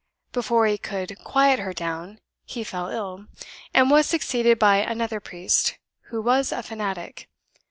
Before he could quiet her down, he fell ill, and was succeeded by another priest, who was a fanatic.